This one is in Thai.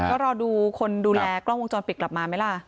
ก็รอดูคนดูแลกล้องวงจรปิดกลับมาไหมล่ะ